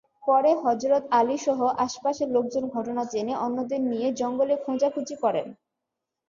পরে হযরত আলীসহ আশপাশের লোকজন ঘটনা জেনে অন্যদের নিয়ে জঙ্গলে খোঁজাখুঁজি করেন।